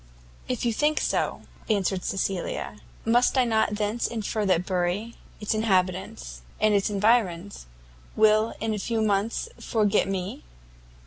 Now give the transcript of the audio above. "If you think so," answered Cecilia, "must I not thence infer that Bury, its inhabitants, and its environs, will in a very few months forget me?"